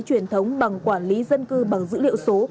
truyền thống bằng quản lý dân cư bằng dữ liệu số